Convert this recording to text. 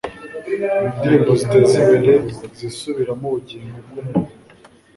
indirimbo zitezimbere, zisubiramo ubugingo bwubuntu